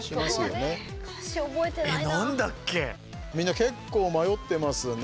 みんな結構迷ってますね。